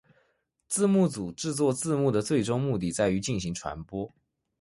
字幕组制作字幕的最终目的在于进行传播。